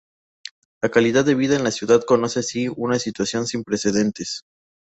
La calidad de vida en la ciudad conoce así una situación sin precedentes.